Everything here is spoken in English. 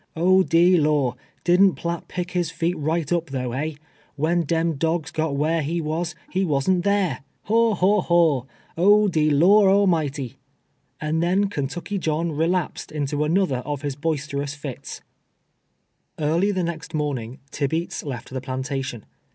(), de lor', did'nt Piatt ])ick his feet right np, tho', hey ? "When deni dogs got wliar he •was, he was'nt da/' — haw, haw, haw ! O, de Igr' a' mity!" — and then Kentucky John relapsed into an other of his boisterous tits. Early the next morning, Tibeats left the plantation.